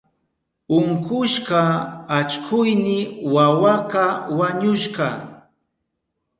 Unkushka allkuyni wawaka wañushka.